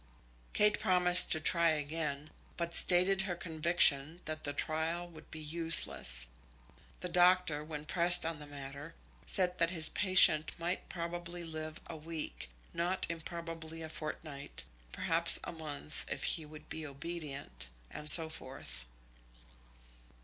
Kate promised to try again, but stated her conviction that the trial would be useless. The doctor, when pressed on the matter, said that his patient might probably live a week, not improbably a fortnight, perhaps a month, if he would be obedient, and so forth.